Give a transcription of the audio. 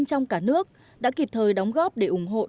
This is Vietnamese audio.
trong cả nước đã kịp thời đóng góp để ủng hộ đồng bào miền trung